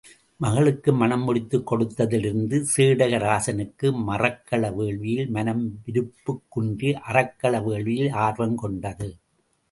மகளுக்கு மணம் முடித்துக் கொடுத்ததிலிருந்தே சேடக ராசனுக்கு மறக்கள வேள்வியில் மனம் விருப்புக்குன்றி, அறக்கள வேள்வியில் ஆர்வம் கொண்டது.